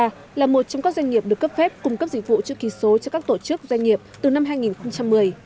a là một trong các doanh nghiệp được cấp phép cung cấp dịch vụ chữ ký số cho các tổ chức doanh nghiệp từ năm hai nghìn một mươi